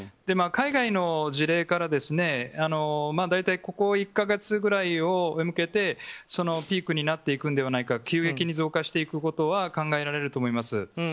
海外の事例から大体ここ１か月くらいへ向けてピークになっていくんではないか急激に増加していくことは考えられると思います。